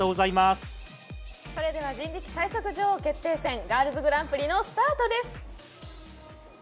それでは人力最速女王決定戦ガールズグランプリのスタートです。